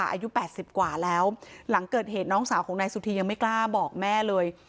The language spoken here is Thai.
อายุ๘๐กว่าแล้วหลังเกิดเหตุน้องสาวของนายสุธียังไม่กล้าบอกแม่เลย